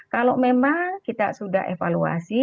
kalau memang kita sudah evaluasi